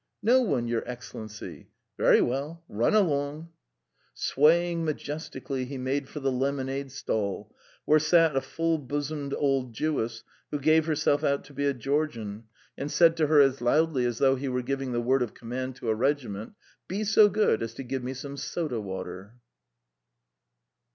"No one, Your Excellency." "Very well, run along. ..." Swaying majestically, he made for the lemonade stall, where sat a full bosomed old Jewess, who gave herself out to be a Georgian, and said to her as loudly as though he were giving the word of command to a regiment: "Be so good as to give me some soda water!"